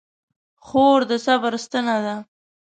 خور د صبر ستنه ده.